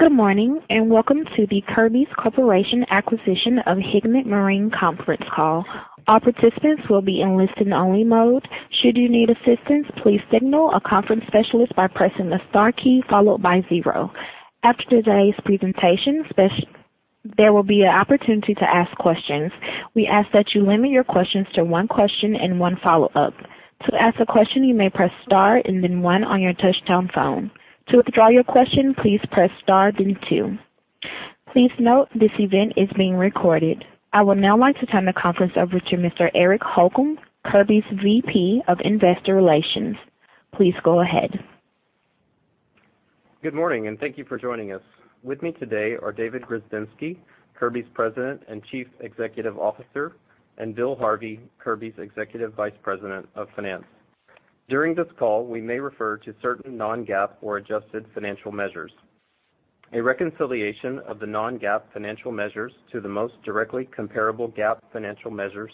Good morning, and welcome to the Kirby Corporation's acquisition of Higman Marine conference call. All participants will be in listen-only mode. Should you need assistance, please signal a conference specialist by pressing the star key followed by zero. After today's presentation, there will be an opportunity to ask questions. We ask that you limit your questions to one question and one follow-up. To ask a question, you may press star and then one on your touchtone phone. To withdraw your question, please press star, then two. Please note, this event is being recorded. I would now like to turn the conference over to Mr. Eric Holcomb, Kirby’s VP of Investor Relations. Please go ahead. Good morning, and thank you for joining us. With me today are David Grzebinski, Kirby's President and Chief Executive Officer, and Bill Harvey, Kirby's Executive Vice President of Finance. During this call, we may refer to certain non-GAAP or adjusted financial measures. A reconciliation of the non-GAAP financial measures to the most directly comparable GAAP financial measures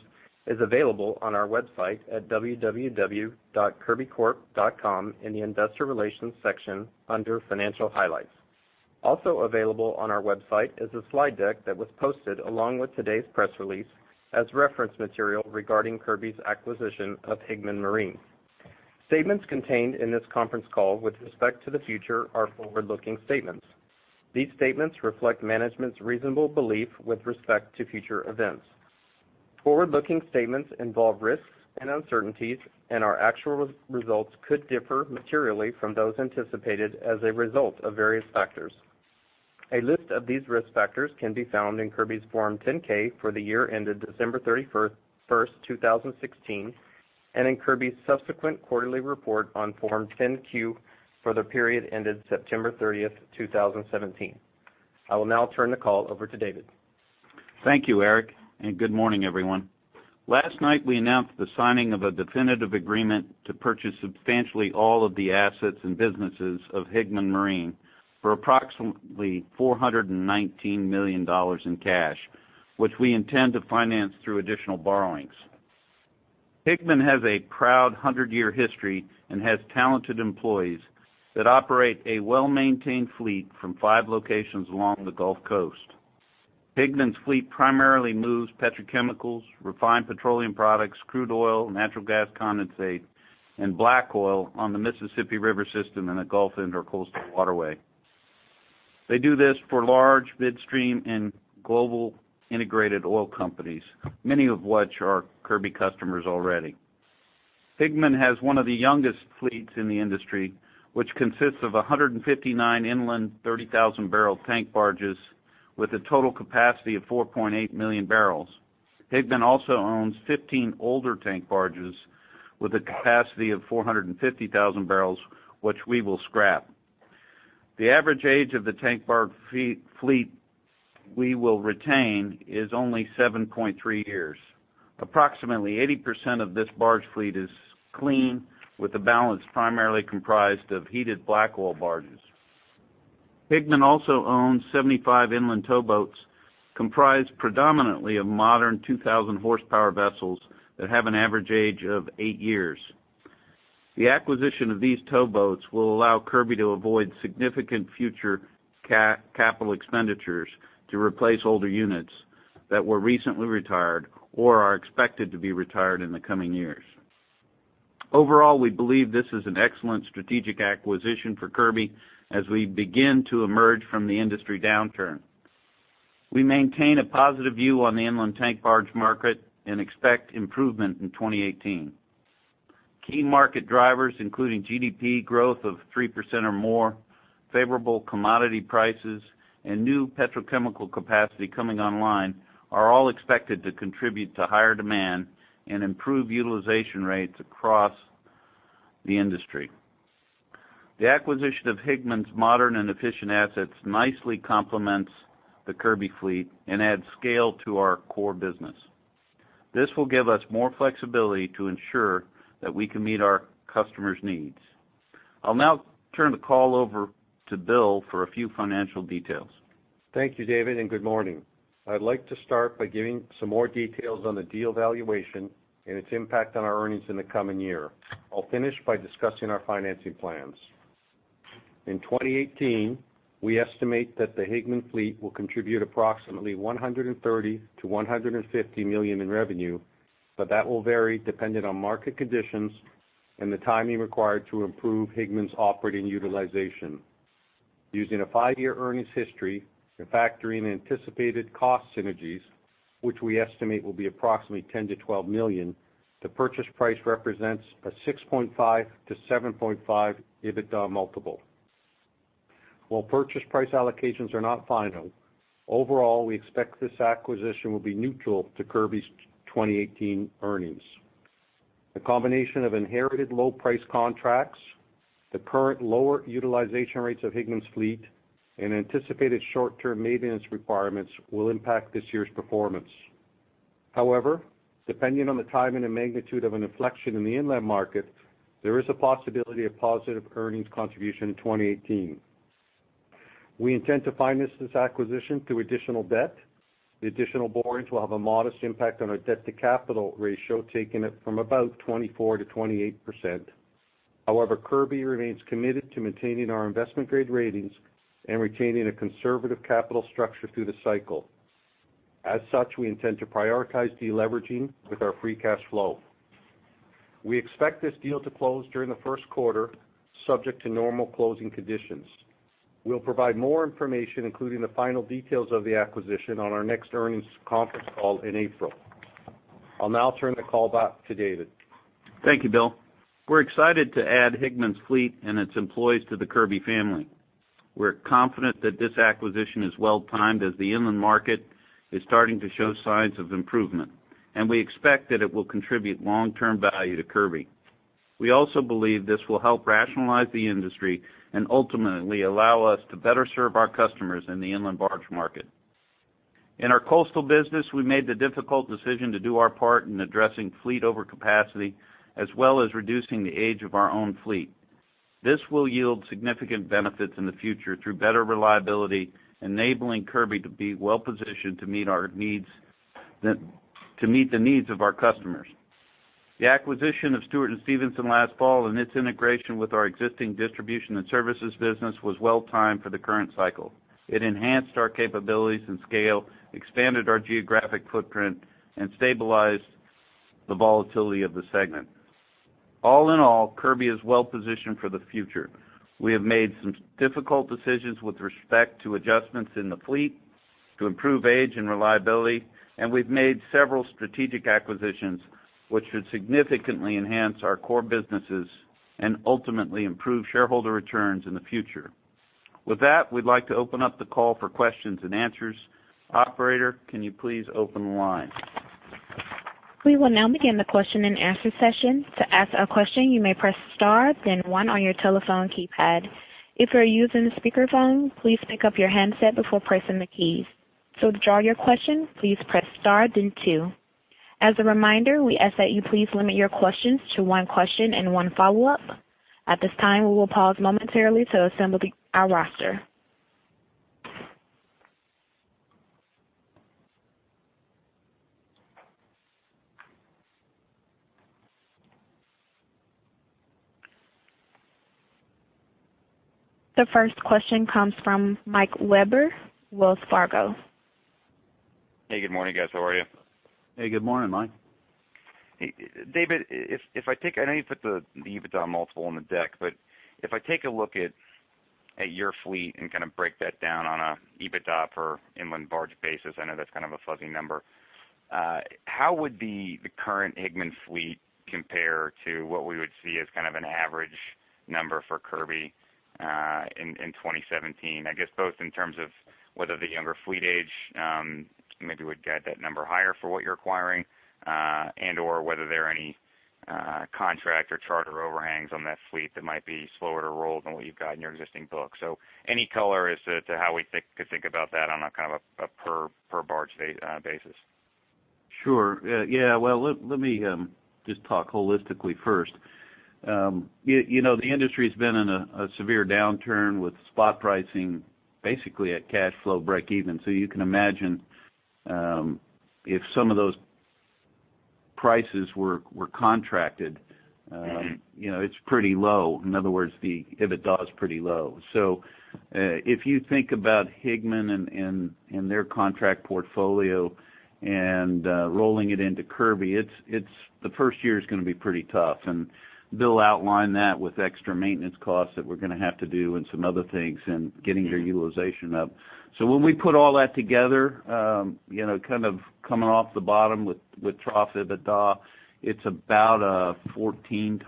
is available on our website at www.kirbycorp.com in the Investor Relations section under Financial Highlights. Also available on our website is a slide deck that was posted along with today's press release as reference material regarding Kirby's acquisition of Higman Marine. Statements contained in this conference call with respect to the future are forward-looking statements. These statements reflect management's reasonable belief with respect to future events. Forward-looking statements involve risks and uncertainties, and our actual results could differ materially from those anticipated as a result of various factors. A list of these risk factors can be found in Kirby's Form 10-K for the year ended December 31, 2016, and in Kirby's subsequent quarterly report on Form 10-Q for the period ended September 30, 2017. I will now turn the call over to David. Thank you, Eric, and good morning, everyone. Last night, we announced the signing of a definitive agreement to purchase substantially all of the assets and businesses of Higman Marine for approximately $419 million in cash, which we intend to finance through additional borrowings. Higman has a proud 100-year history and has talented employees that operate a well-maintained fleet from five locations along the Gulf Coast. Higman's fleet primarily moves petrochemicals, refined petroleum products, crude oil, natural gas condensate, and black oil on the Mississippi River System and the Gulf Intracoastal Waterway. They do this for large, midstream, and global integrated oil companies, many of which are Kirby customers already. Higman has one of the youngest fleets in the industry, which consists of 159 inland 30,000-barrel tank barges with a total capacity of 4.8 million barrels. Higman also owns 15 older tank barges with a capacity of 450,000 barrels, which we will scrap. The average age of the tank barge fleet we will retain is only 7.3 years. Approximately 80% of this barge fleet is clean, with the balance primarily comprised of heated black oil barges. Higman also owns 75 inland towboats, comprised predominantly of modern 2,000 horsepower vessels that have an average age of 8 years. The acquisition of these towboats will allow Kirby to avoid significant future capital expenditures to replace older units that were recently retired or are expected to be retired in the coming years. Overall, we believe this is an excellent strategic acquisition for Kirby as we begin to emerge from the industry downturn. We maintain a positive view on the inland tank barge market and expect improvement in 2018. Key market drivers, including GDP growth of 3% or more, favorable commodity prices, and new petrochemical capacity coming online, are all expected to contribute to higher demand and improve utilization rates across the industry. The acquisition of Higman's modern and efficient assets nicely complements the Kirby fleet and adds scale to our core business. This will give us more flexibility to ensure that we can meet our customers' needs. I'll now turn the call over to Bill for a few financial details. Thank you, David, and good morning. I'd like to start by giving some more details on the deal valuation and its impact on our earnings in the coming year. I'll finish by discussing our financing plans. In 2018, we estimate that the Higman fleet will contribute approximately $130 million-$150 million in revenue, but that will vary depending on market conditions and the timing required to improve Higman's operating utilization. Using a 5-year earnings history and factoring anticipated cost synergies, which we estimate will be approximately $10 million-$12 million, the purchase price represents a 6.5-7.5 EBITDA multiple. While purchase price allocations are not final, overall, we expect this acquisition will be neutral to Kirby's 2018 earnings. The combination of inherited low price contracts, the current lower utilization rates of Higman's fleet, and anticipated short-term maintenance requirements will impact this year's performance. However, depending on the time and the magnitude of an inflection in the inland market, there is a possibility of positive earnings contribution in 2018. We intend to finance this acquisition through additional debt. The additional borrowings will have a modest impact on our debt-to-capital ratio, taking it from about 24%-28%. However, Kirby remains committed to maintaining our investment-grade ratings and retaining a conservative capital structure through the cycle. As such, we intend to prioritize deleveraging with our free cash flow. We expect this deal to close during the first quarter, subject to normal closing conditions. We'll provide more information, including the final details of the acquisition, on our next earnings conference call in April. I'll now turn the call back to David. Thank you, Bill. We're excited to add Higman's fleet and its employees to the Kirby family. We're confident that this acquisition is well-timed, as the inland market is starting to show signs of improvement, and we expect that it will contribute long-term value to Kirby. We also believe this will help rationalize the industry and ultimately allow us to better serve our customers in the inland barge market. In our coastal business, we made the difficult decision to do our part in addressing fleet overcapacity, as well as reducing the age of our own fleet. This will yield significant benefits in the future through better reliability, enabling Kirby to be well positioned to meet our needs, to meet the needs of our customers. The acquisition of Stewart & Stevenson last fall and its integration with our existing distribution and services business was well-timed for the current cycle. It enhanced our capabilities and scale, expanded our geographic footprint, and stabilized the volatility of the segment. All in all, Kirby is well positioned for the future. We have made some difficult decisions with respect to adjustments in the fleet to improve age and reliability, and we've made several strategic acquisitions, which should significantly enhance our core businesses and ultimately improve shareholder returns in the future. With that, we'd like to open up the call for questions and answers. Operator, can you please open the line? We will now begin the question-and-answer session. To ask a question, you may press star then one on your telephone keypad. If you are using a speakerphone, please pick up your handset before pressing the keys. To withdraw your question, please press star then two. As a reminder, we ask that you please limit your questions to one question and one follow-up. At this time, we will pause momentarily to assemble our roster. The first question comes from Michael Webber, Wells Fargo. Hey, good morning, guys. How are you? Hey, good morning, Mike. Hey, David, if I take... I know you put the EBITDA multiple on the deck, but if I take a look at your fleet and kind of break that down on a EBITDA per inland barge basis, I know that's kind of a fuzzy number, how would the current Higman fleet compare to what we would see as kind of an average number for Kirby in 2017? I guess both in terms of whether the younger fleet age maybe would get that number higher for what you're acquiring, and/or whether there are any contract or charter overhangs on that fleet that might be slower to roll than what you've got in your existing book. So any color as to how we think, could think about that on a kind of a per barge basis. Sure. Yeah, well, let me just talk holistically first. You know, the industry has been in a severe downturn with spot pricing, basically at cash flow breakeven. So you can imagine, if some of those prices were contracted, you know, it's pretty low. In other words, the EBITDA is pretty low. So, if you think about Higman and their contract portfolio and rolling it into Kirby, it's the first year is gonna be pretty tough. And Bill outlined that with extra maintenance costs that we're gonna have to do and some other things and getting their utilization up. So when we put all that together, you know, kind of coming off the bottom with trough EBITDA, it's about a 14x,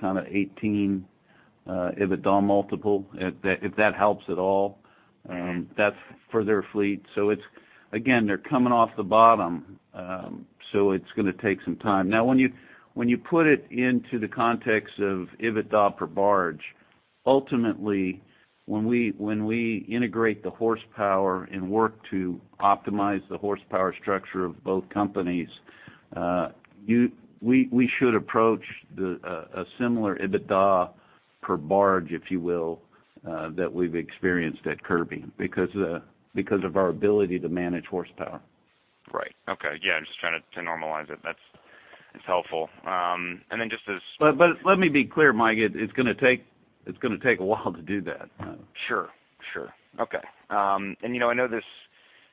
kind of 18x EBITDA multiple, if that, if that helps at all. That's for their fleet. So it's again, they're coming off the bottom, so it's gonna take some time. Now, when you put it into the context of EBITDA per barge, ultimately, when we integrate the horsepower and work to optimize the horsepower structure of both companies, we should approach a similar EBITDA per barge, if you will, that we've experienced at Kirby because of our ability to manage horsepower. Right. Okay. Yeah, I'm just trying to normalize it. It's helpful. And then just as- But let me be clear, Mike. It's gonna take a while to do that. Sure, sure. Okay. And, you know, I know this,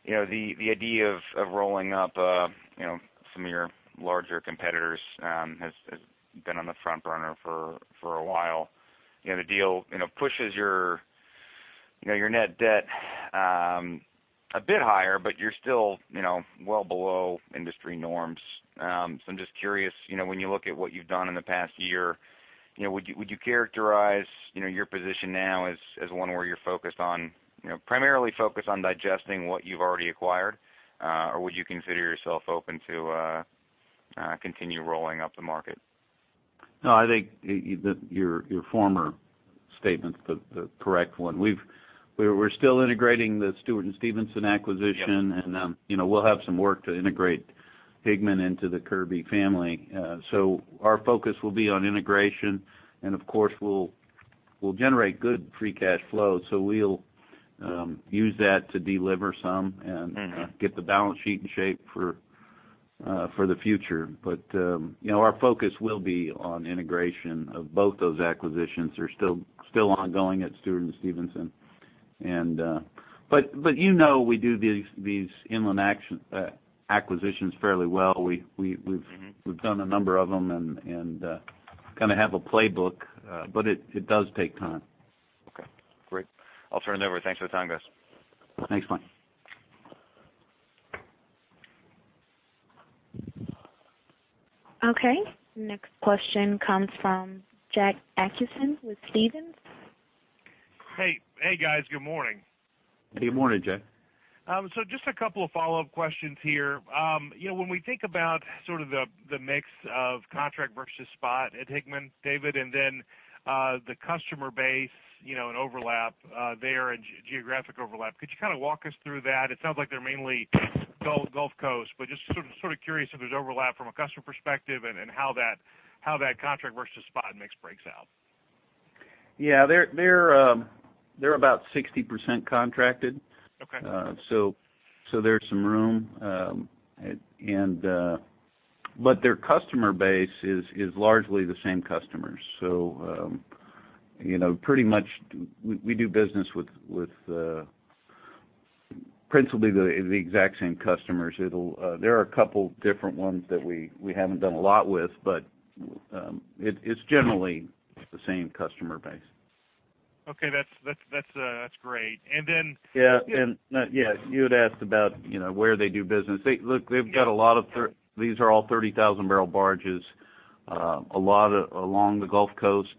you know, the idea of rolling up, you know, some of your larger competitors has been on the front burner for a while. You know, the deal, you know, pushes your, you know, your net debt a bit higher, but you're still, you know, well below industry norms. So I'm just curious, you know, when you look at what you've done in the past year, you know, would you characterize, you know, your position now as one where you're focused on, you know, primarily focused on digesting what you've already acquired, or would you consider yourself open to continue rolling up the market? No, I think your former statement's the correct one. We're still integrating the Stewart & Stevenson acquisition. Yeah. And, you know, we'll have some work to integrate Higman into the Kirby family. So our focus will be on integration, and of course, we'll generate good free cash flow, so we'll use that to deliver some and- Mm-hmm. - get the balance sheet in shape for the future. But, you know, our focus will be on integration of both those acquisitions. They're still ongoing at Stewart & Stevenson. But you know, we do these acquisitions fairly well. We've- Mm-hmm. We've done a number of them and kind of have a playbook, but it does take time. Okay, great. I'll turn it over. Thanks for the time, guys. Thanks, Mike. Okay. Next question comes from Jack Atkins with Stephens. Hey. Hey, guys. Good morning. Good morning, Jack. So just a couple of follow-up questions here. You know, when we think about sort of the, the mix of contract versus spot at Higman, David, and then, the customer base, you know, and overlap, there and geographic overlap, could you kind of walk us through that? It sounds like they're mainly Gulf Coast, but just sort of curious if there's overlap from a customer perspective and how that contract versus spot mix breaks out. Yeah, they're about 60% contracted. Okay. So, there's some room, and but their customer base is largely the same customers. So, you know, pretty much we do business with principally the exact same customers. It'll... There are a couple different ones that we haven't done a lot with, but it's generally the same customer base. Okay. That's great. And then- Yeah, and yeah, you had asked about, you know, where they do business. Look, they've got a lot of thir- Yeah. These are all 30,000-barrel barges, a lot along the Gulf Coast,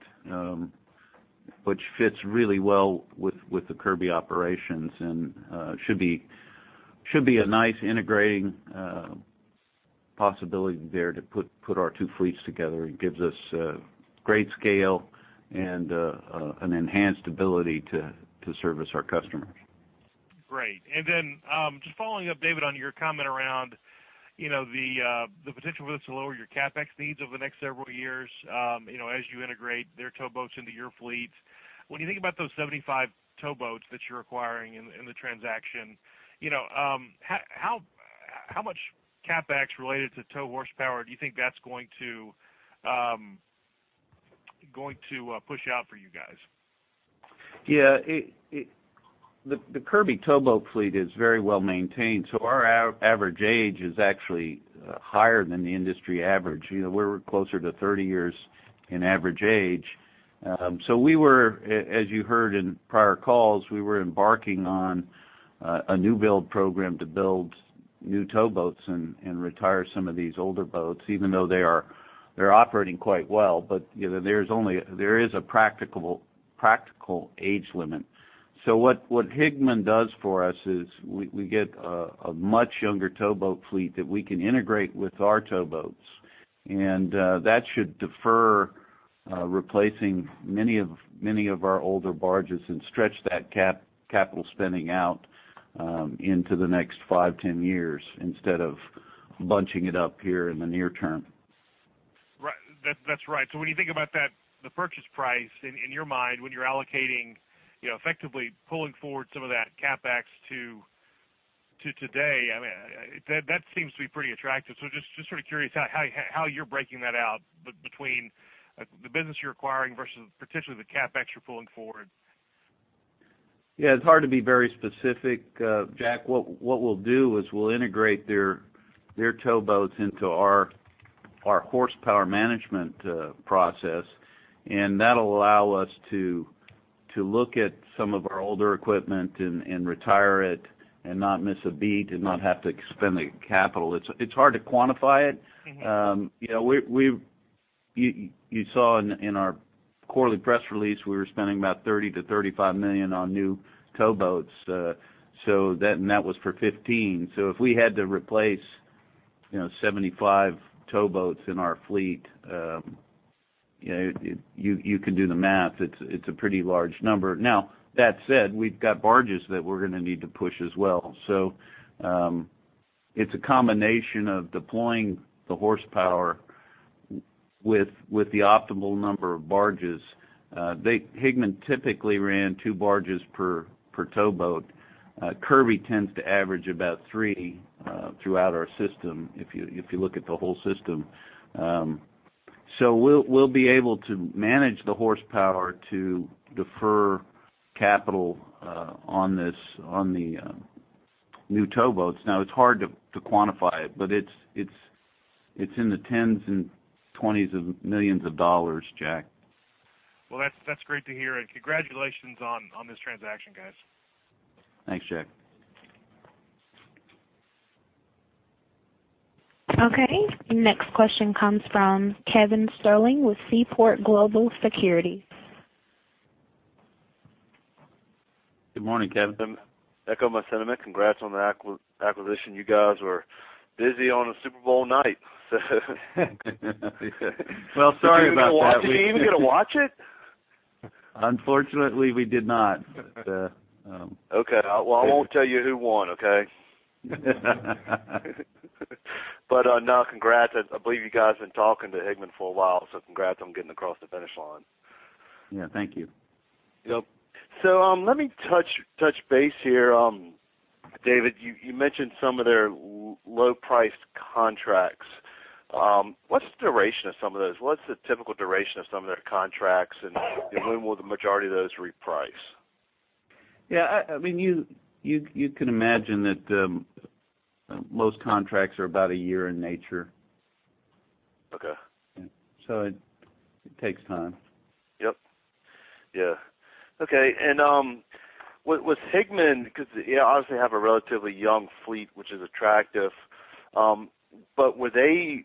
which fits really well with the Kirby operations, and should be a nice integrating possibility there to put our two fleets together. It gives us great scale and an enhanced ability to service our customers. Great. And then, just following up, David, on your comment around, you know, the potential for this to lower your CapEx needs over the next several years, you know, as you integrate their towboats into your fleets. When you think about those 75 towboats that you're acquiring in the transaction, you know, how much CapEx related to tow horsepower do you think that's going to push out for you guys? Yeah, the Kirby towboat fleet is very well maintained, so our average age is actually higher than the industry average. You know, we're closer to 30 years in average age. So we were, as you heard in prior calls, we were embarking on a new build program to build new towboats and retire some of these older boats, even though they're operating quite well. But, you know, there's only a practical age limit. So what Higman does for us is we get a much younger towboat fleet that we can integrate with our towboats, and that should defer replacing many of our older barges and stretch that capital spending out into the next 5-10 years, instead of bunching it up here in the near term. Right. That's right. So when you think about that, the purchase price in your mind, when you're allocating, you know, effectively pulling forward some of that CapEx to today, I mean, that seems to be pretty attractive. So just sort of curious how you're breaking that out between the business you're acquiring versus potentially the CapEx you're pulling forward. Yeah, it's hard to be very specific, Jack. What we'll do is we'll integrate their towboats into our horsepower management process, and that'll allow us to look at some of our older equipment and retire it and not miss a beat and not have to expend the capital. It's hard to quantify it. Mm-hmm. You know, you saw in our quarterly press release, we were spending about $30 million-$35 million on new towboats. So that, and that was for 15. So if we had to replace, you know, 75 towboats in our fleet, you know, you can do the math. It's a pretty large number. Now, that said, we've got barges that we're gonna need to push as well. So, it's a combination of deploying the horsepower with the optimal number of barges. They- Higman typically ran two barges per towboat. Kirby tends to average about three throughout our system, if you look at the whole system. So we'll be able to manage the horsepower to defer capital on the new towboats. Now, it's hard to quantify it, but it's in the tens and twenties of millions of dollars, Jack. Well, that's great to hear, and congratulations on this transaction, guys. Thanks, Jack. Okay. Next question comes from Kevin Sterling with Seaport Global Securities. Good morning, Kevin. Echo my sentiment. Congrats on the acquisition. You guys were busy on a Super Bowl night. Well, sorry about that. We- Did you even get to watch it? Unfortunately, we did not, but, Okay. Well, I won't tell you who won, okay?... But, no, congrats. I, I believe you guys have been talking to Higman for a while, so congrats on getting across the finish line. Yeah, thank you. Yep. So, let me touch base here. David, you mentioned some of their low-priced contracts. What's the duration of some of those? What's the typical duration of some of their contracts, and when will the majority of those reprice? Yeah, I mean, you can imagine that most contracts are about a year in nature. Okay. So it takes time. Yep. Yeah. Okay, and, with, with Higman, because, you know, obviously, have a relatively young fleet, which is attractive, but were they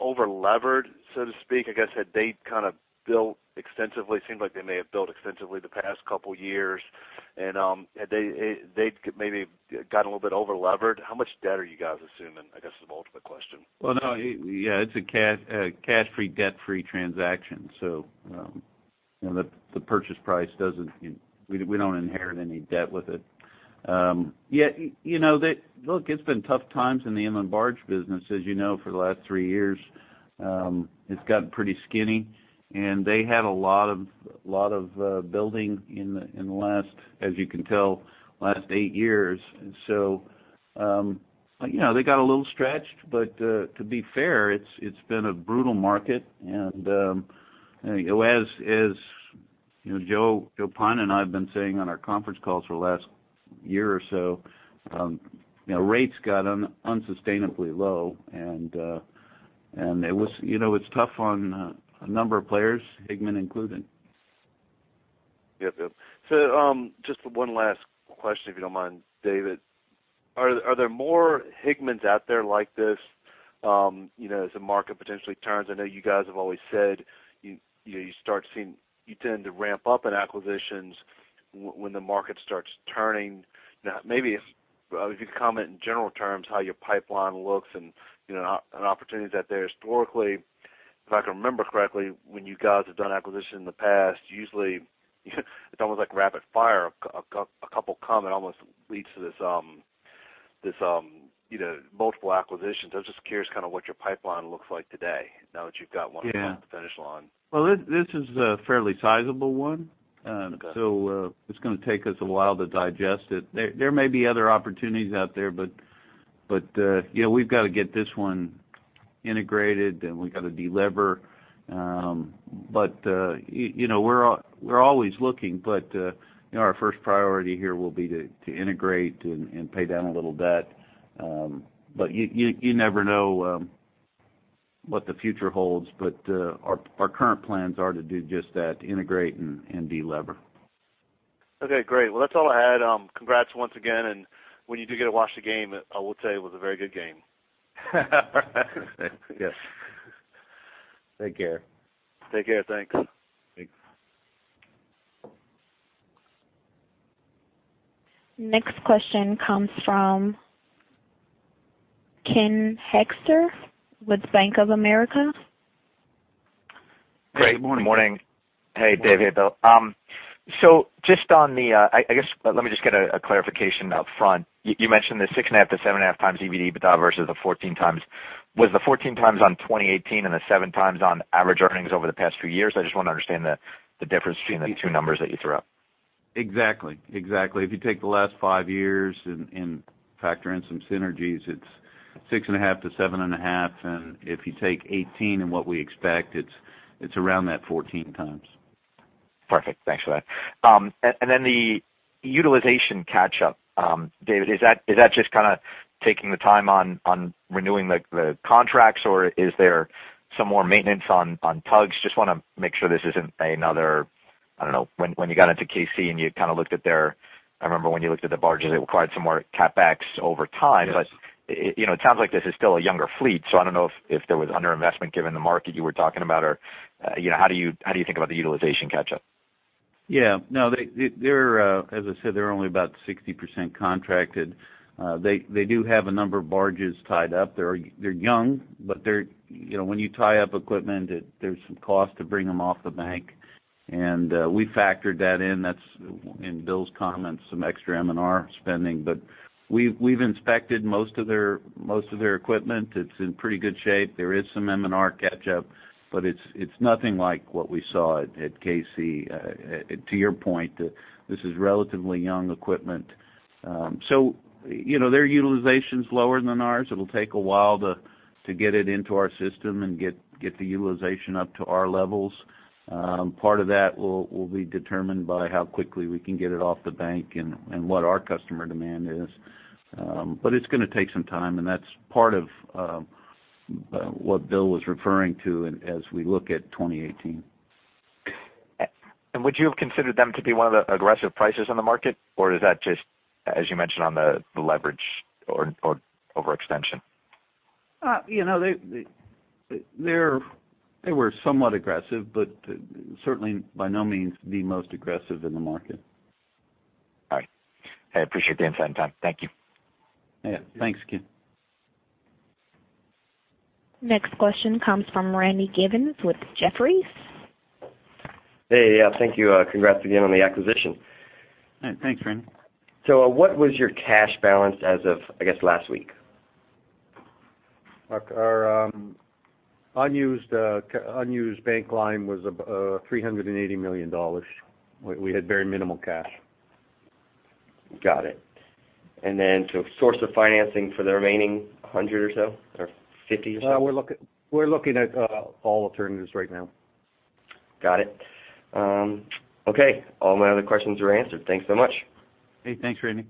over-levered, so to speak? I guess, had they kind of built extensively? Seemed like they may have built extensively the past couple years, and, had they, they maybe got a little bit over-levered. How much debt are you guys assuming? I guess, is the ultimate question. Well, no, yeah, it's a cash, a cash-free, debt-free transaction, so, you know, the, the purchase price doesn't... We, we don't inherit any debt with it. Yeah, you know, the... Look, it's been tough times in the inland barge business, as you know, for the last three years. It's gotten pretty skinny, and they had a lot of, lot of, building in the, in the last, as you can tell, last eight years. And so, you know, they got a little stretched, but, to be fair, it's, it's been a brutal market. And, as, as, you know, Joe Pyne and I've been saying on our conference calls for the last year or so, you know, rates got unsustainably low, and, and it was, you know, it's tough on, a number of players, Higman included. Yep, yep. So, just one last question, if you don't mind, David. Are there more Higmans out there like this, you know, as the market potentially turns? I know you guys have always said, you know, you tend to ramp up in acquisitions when the market starts turning. Now, maybe if you could comment in general terms, how your pipeline looks and, you know, and opportunities out there. Historically, if I can remember correctly, when you guys have done acquisition in the past, usually, it's almost like rapid fire. A couple come, and almost leads to this, you know, multiple acquisitions. I'm just curious kind of what your pipeline looks like today now that you've got one- Yeah across the finish line. Well, this, this is a fairly sizable one. Okay. So, it's gonna take us a while to digest it. There may be other opportunities out there, but you know, we've got to get this one integrated, then we've got to delever. But you know, we're always looking, but you know, our first priority here will be to integrate and pay down a little debt. But you never know what the future holds, but our current plans are to do just that, integrate and delever. Okay, great. Well, that's all I had. Congrats once again, and when you do get to watch the game, I will tell you it was a very good game. Yes. Take care. Take care. Thanks. Thanks. Next question comes from Ken Hoexter with Bank of America. Good morning. Hey, David, Bill. So just on the... I guess, let me just get a clarification up front. You mentioned the 6.5-7.5 times EBITDA versus the 14 times. Was the 14 times on 2018 and the 7 times on average earnings over the past few years? I just want to understand the difference between the two numbers that you threw out. Exactly, exactly. If you take the last 5 years and factor in some synergies, it's 6.5-7.5, and if you take 18 and what we expect, it's around that 14 times. Perfect. Thanks for that. And then the utilization catch-up, David, is that just kind of taking the time on renewing the contracts, or is there some more maintenance on tugs? Just want to make sure this isn't another, I don't know, when you got into K-Sea, and you kind of looked at their—I remember when you looked at the barges, it required some more CapEx over time. Yes. But, it, you know, it sounds like this is still a younger fleet, so I don't know if, if there was underinvestment, given the market you were talking about, or, you know, how do you, how do you think about the utilization catch-up? Yeah, no, they're, as I said, they're only about 60% contracted. They do have a number of barges tied up. They're young, but they're, you know, when you tie up equipment, it, there's some cost to bring them off the bank, and we factored that in. That's in Bill's comments, some extra M&R spending. But we've inspected most of their equipment. It's in pretty good shape. There is some M&R catch-up, but it's nothing like what we saw at K-Sea. To your point, this is relatively young equipment. So, you know, their utilization's lower than ours. It'll take a while to get it into our system and get the utilization up to our levels. Part of that will be determined by how quickly we can get it off the bank and what our customer demand is. But it's gonna take some time, and that's part of what Bill was referring to as we look at 2018. Would you have considered them to be one of the aggressive prices on the market, or is that just, as you mentioned, on the leverage or overextension? You know, they were somewhat aggressive, but certainly, by no means, the most aggressive in the market. All right. I appreciate the insight and time. Thank you. Yeah. Thanks, Ken. Next question comes from Randy Givens with Jefferies.... Hey, yeah, thank you. Congrats again on the acquisition. Thanks, Randy. What was your cash balance as of, I guess, last week? Our unused bank line was $380 million. We had very minimal cash. Got it. And then to source of financing for the remaining 100 or so, or 50 or so? We're looking at all alternatives right now. Got it. Okay, all my other questions are answered. Thanks so much. Hey, thanks, Randy.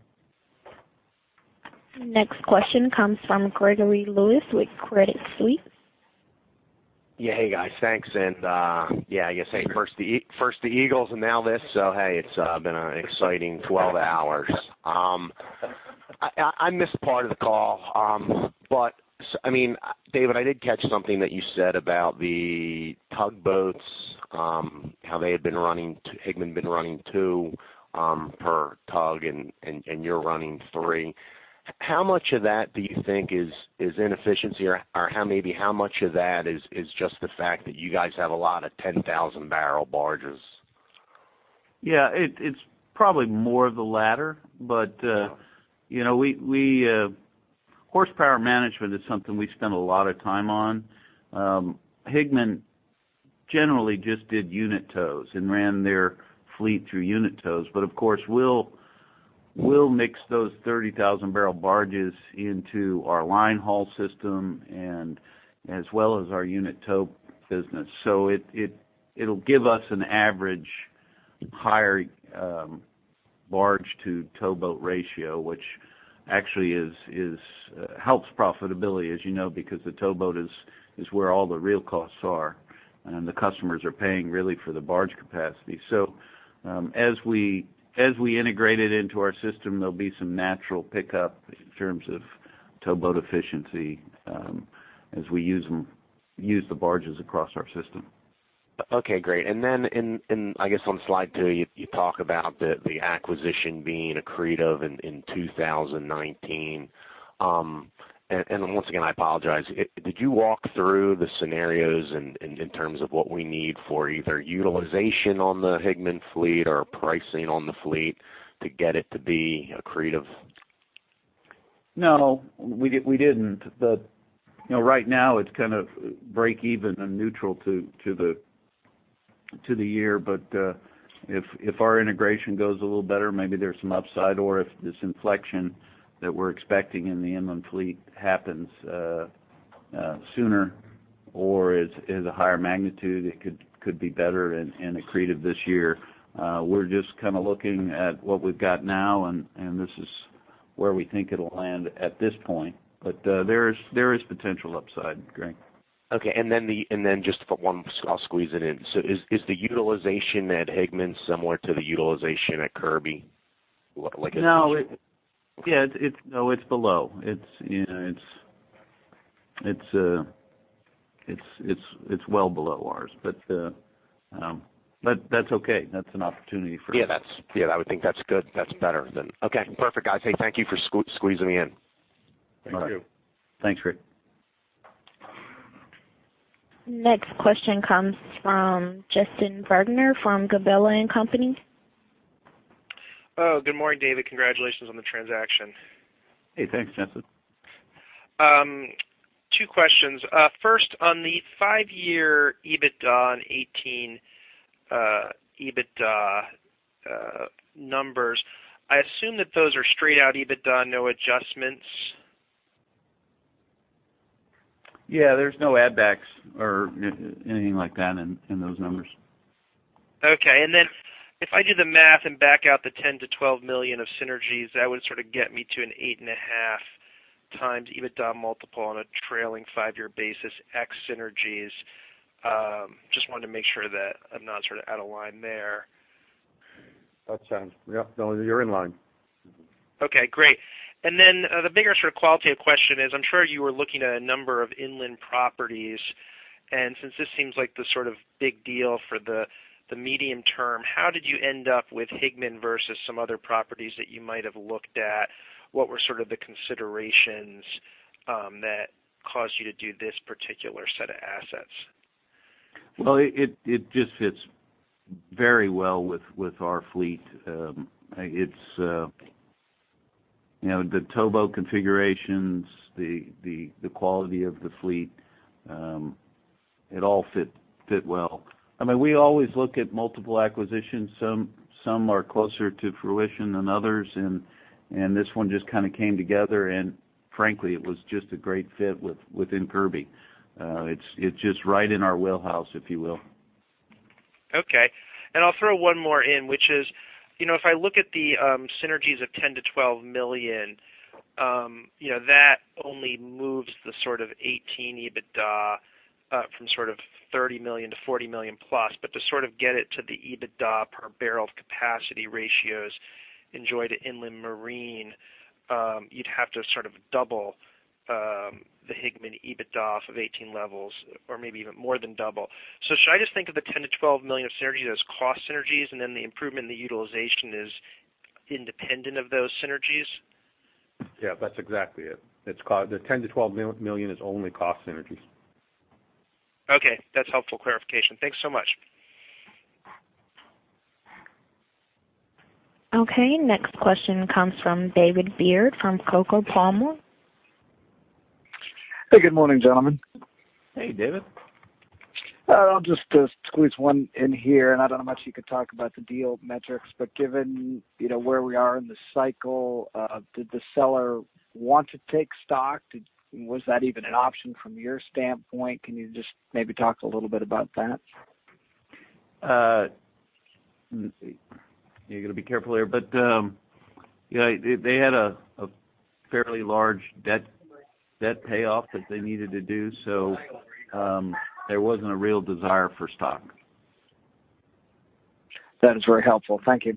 Next question comes from Gregory Lewis with Credit Suisse. Yeah. Hey, guys, thanks. Yeah, I guess first the Eagles, and now this. So hey, it's been an exciting 12 hours. I missed part of the call. But I mean, David, I did catch something that you said about the tugboats, how they had been running. Higman been running two per tug, and you're running three. How much of that do you think is inefficiency, or how much of that is just the fact that you guys have a lot of 10,000-barrel barges? Yeah, it's probably more of the latter, but, you know, we... Horsepower management is something we spend a lot of time on. Higman generally just did unit tows and ran their fleet through unit tow. But, of course, we'll mix those 30,000-barrel barges into our line haul system and as well as our unit tow business. So it'll give us an average higher barge-to-towboat ratio, which actually helps profitability, as you know, because the towboat is where all the real costs are, and the customers are paying really for the barge capacity. So, as we integrate it into our system, there'll be some natural pickup in terms of towboat efficiency, as we use the barges across our system. Okay, great. And then, I guess, on Slide 2, you talk about the acquisition being accretive in 2019. And once again, I apologize. Did you walk through the scenarios in terms of what we need for either utilization on the Higman fleet or pricing on the fleet to get it to be accretive? No, we didn't. You know, right now, it's kind of break even and neutral to the year. But if our integration goes a little better, maybe there's some upside, or if this inflection that we're expecting in the inland fleet happens sooner or is a higher magnitude, it could be better and accretive this year. We're just kind of looking at what we've got now, and this is where we think it'll land at this point. But there is potential upside, Greg. Okay. And then just for one, I'll squeeze it in. So is the utilization at Higman similar to the utilization at Kirby? Like- No, yeah, it, no, it's below. It's, you know, it's well below ours, but that's okay. That's an opportunity for us. Yeah, that's, yeah, I would think that's good. That's better than... Okay, perfect, guys. Hey, thank you for squeezing me in. Thank you. Thanks, Greg. Next question comes from Justin Bergner from Gabelli & Company. Oh, good morning, David. Congratulations on the transaction. Hey, thanks, Justin. Two questions. First, on the 5-year EBITDA and 18 EBITDA numbers, I assume that those are straight out EBITDA, no adjustments? Yeah, there's no add backs or anything like that in those numbers. Okay. And then if I do the math and back out the $10 million-$12 million of synergies, that would sort of get me to an 8.5x EBITDA multiple on a trailing five-year basis, ex synergies. Just wanted to make sure that I'm not sort of out of line there. That sounds... Yep. No, you're in line. Okay, great. And then, the bigger sort of qualitative question is, I'm sure you were looking at a number of inland properties, and since this seems like the sort of big deal for the medium term, how did you end up with Higman versus some other properties that you might have looked at? What were sort of the considerations that caused you to do this particular set of assets? Well, it just fits very well with our fleet. It's, you know, the towboat configurations, the quality of the fleet, it all fit well. I mean, we always look at multiple acquisitions. Some are closer to fruition than others, and this one just kind of came together, and frankly, it was just a great fit within Kirby. It's just right in our wheelhouse, if you will. Okay. And I'll throw one more in, which is, you know, if I look at the synergies of $10-$12 million, you know, that only moves the sort of 18 EBITDA from sort of $30 million to $40 million plus. But to sort of get it to the EBITDA per barrel of capacity ratios enjoyed at Inland Marine, you'd have to sort of double the Higman EBITDA of 18 levels or maybe even more than double. So should I just think of the $10-$12 million of synergies as cost synergies, and then the improvement in the utilization is independent of those synergies?... Yeah, that's exactly it. It's cost—the $10 million-$12 million is only cost synergies. Okay, that's helpful clarification. Thanks so much. Okay, next question comes from David Beard from Coker & Palmer. Hey, good morning, gentlemen. Hey, David. I'll just squeeze one in here, and I don't know how much you could talk about the deal metrics, but given, you know, where we are in the cycle, did the seller want to take stock? Did—was that even an option from your standpoint? Can you just maybe talk a little bit about that? Let me see. You gotta be careful here, but yeah, they had a fairly large debt payoff that they needed to do, so there wasn't a real desire for stock. That is very helpful. Thank you.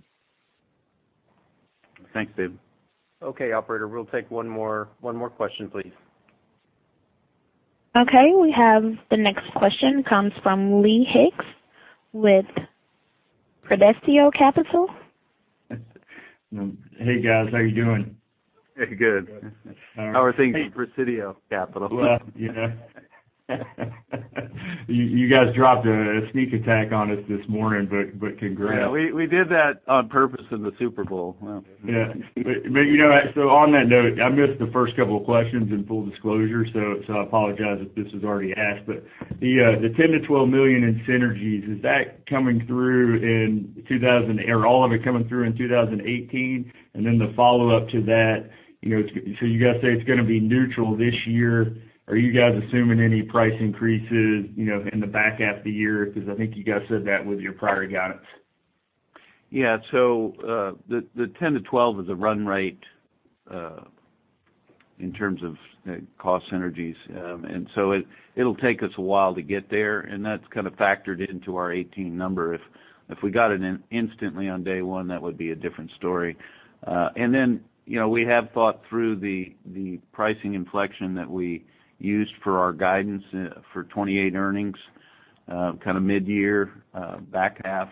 Thanks, David. Okay, operator, we'll take one more, one more question, please. Okay, we have the next question comes from Lee Hicks with Park Presidio Capital. Hey, guys, how are you doing? Hey, good. How are things at Presidio Capital? Well, yeah. You guys dropped a sneak attack on us this morning, but congrats. Yeah, we did that on purpose in the Super Bowl. Well... Yeah. But you know, so on that note, I missed the first couple of questions in full disclosure, so I apologize if this was already asked, but the $10 million-$12 million in synergies, is that coming through in 2018 or all of it coming through in 2018? And then the follow-up to that, you know, it's so you guys say it's gonna be neutral this year. Are you guys assuming any price increases, you know, in the back half of the year? Because I think you guys said that with your prior guidance. Yeah. So, the 10-12 is a run rate in terms of cost synergies. And so it'll take us a while to get there, and that's kind of factored into our 2018 number. If we got it in instantly on day one, that would be a different story. And then, you know, we have thought through the pricing inflection that we used for our guidance for 2018 earnings, kind of mid-year, back half,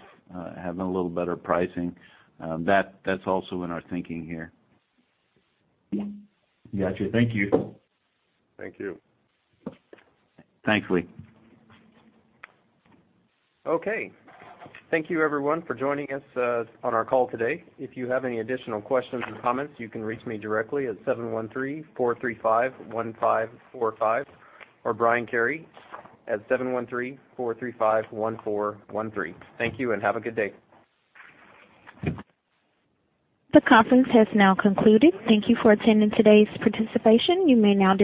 having a little better pricing. That's also in our thinking here. Gotcha. Thank you. Thank you. Thanks, Lee. Okay. Thank you, everyone, for joining us on our call today. If you have any additional questions or comments, you can reach me directly at 713-435-1545, or Brian Carey at 713-435-1413. Thank you, and have a good day. The conference has now concluded. Thank you for attending today's presentation. You may now disconnect.